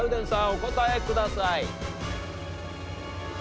お答えください。